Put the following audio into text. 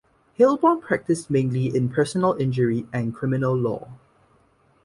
Heilbron practised mainly in personal injury and criminal law.